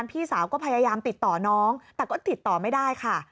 พี่สาวก็พยายามติดต่อน้องแต่ก็ติดต่อไม่ได้ค่ะ